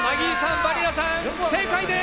バニラさん正解です！